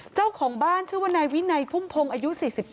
เจ้าของบ้านชื่อว่านายวินัยพุ่มพงศ์อายุ๔๙